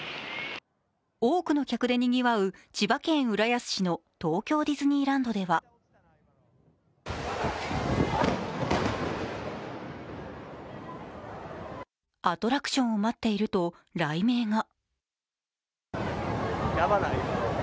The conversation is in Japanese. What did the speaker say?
多くの客でにぎわう千葉県浦安市の東京ディズニーランドではアトラクションを待っていると雷鳴が。